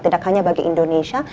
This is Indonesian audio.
tidak hanya bagi indonesia